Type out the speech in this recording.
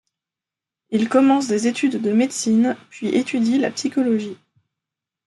Il commence des études de médecine, puis étudie la psychologie.